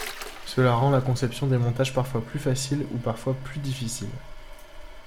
Cela rend la conception des montages parfois plus facile ou parfois plus difficile.